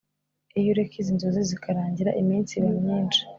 iyo ureka izi nzozi zikarangira, iminsi iba myinshi